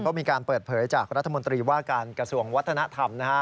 ก็มีการเปิดเผยจากรัฐมนตรีว่าการกระทรวงวัฒนธรรมนะฮะ